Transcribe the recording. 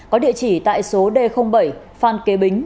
có địa chỉ tại số d bảy phan kế bính